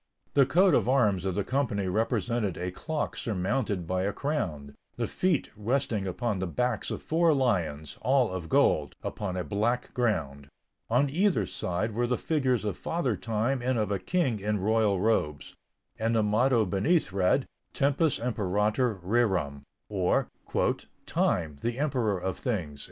The coat of arms of the company represented a clock surmounted by a crown, the feet resting upon the backs of four lions, all of gold, upon a black ground; on either side were the figures of Father Time and of a king in royal robes; and the motto beneath read: Tempus Imperator Rerum, or "Time, the Emperor of Things."